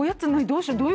どうしよう。